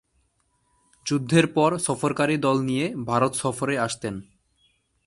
যুদ্ধের পর সফরকারী দল নিয় ভারত সফরে আসতেন।